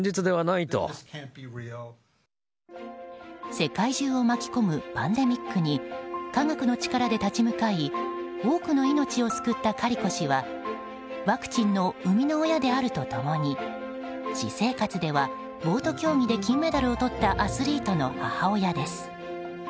世界中を巻き込むパンデミックに科学の力で立ち向かい多くの命を救ったカリコ氏はワクチンの生みの親であると共に私生活ではボート競技で金メダルをとったアスリートの母親です。